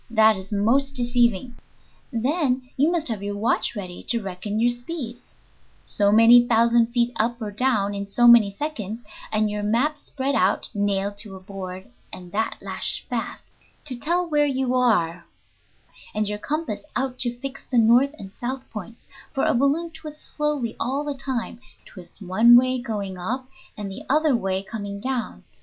That is most deceiving. Then you must have your watch ready to reckon your speed, so many thousand feet up or down in so many seconds, and your map spread out (nailed to a board, and that lashed fast), to tell where you are, and your compass out to fix the north and south points, for a balloon twists slowly all the time, twists one way going up and the other way coming down.